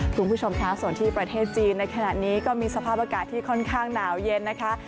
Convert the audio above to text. คุณผู้ชมค่ะส่วนที่ประเทศจีนในขณะนี้ก็มีสภาพอากาศที่ค่อนข้างหนาวเย็นนะคะ